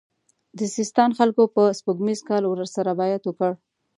د سیستان خلکو په سپوږمیز کال ورسره بیعت وکړ.